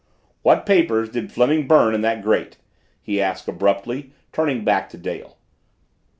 "What papers did Fleming burn in that grate?" he asked abruptly, turning back to Dale.